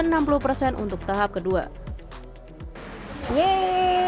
vaksin yang diberikan adalah kota yang menyebutnya vaksin vaksin